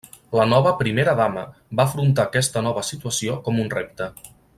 La nova Primera dama va afrontar aquesta nova situació com un repte.